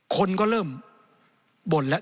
คนก็เริ่มบ่นละ